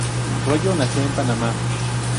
Royo nació en Panamá.